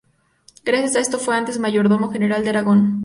Gracias a esto fue antes mayordomo general de Aragón.